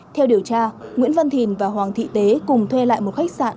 theo điều tra nguyễn văn thìn và hoàng thị tế cùng thuê lại một khách sạn